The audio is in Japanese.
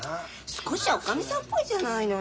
少しはおかみさんっぽいじゃないのよ。